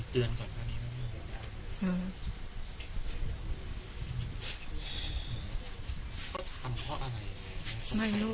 มีเตือนกับอันนี้ไม่มีความรู้